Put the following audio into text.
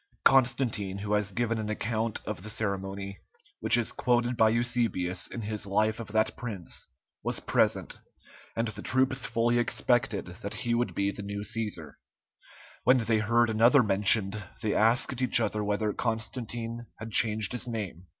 Constantine, who has given an account of the ceremony, which is quoted by Eusebius in his life of that prince, was present, and the troops fully expected that he would be the new Cæsar; when they heard another mentioned, they asked each other whether Constantine had changed his name.